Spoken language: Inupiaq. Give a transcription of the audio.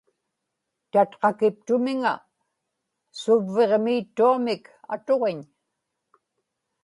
tatqakiptumiŋa suvvigmiittuamik atuġiñ